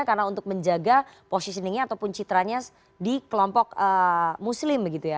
karena untuk menjaga positioningnya ataupun citranya di kelompok muslim begitu ya